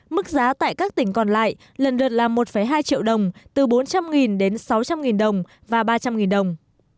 mức giá tại các tỉnh còn lại lần lượt là một hai triệu đồng từ bốn trăm linh đến sáu trăm linh đồng và ba trăm linh đồng